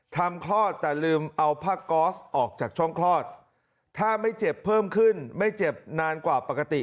คลอดแต่ลืมเอาผ้าก๊อสออกจากช่องคลอดถ้าไม่เจ็บเพิ่มขึ้นไม่เจ็บนานกว่าปกติ